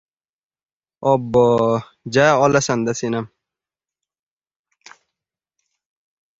Obbo! Ja, olasan-da, senam.